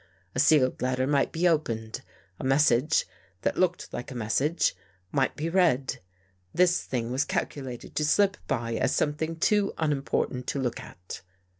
A sealed letter might be opened. A message, that looked like a message, might be read. This thing was cal culated to slip by as something too unimportant to look at."